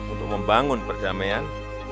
untuk membangun perdamaian